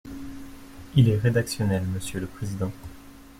Il est rédactionnel, monsieur le président.